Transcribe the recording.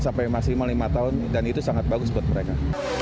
sampai maksimal lima tahun dan itu sangat bagus buat mereka